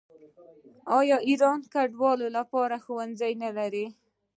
آیا ایران د کډوالو لپاره ښوونځي نلري؟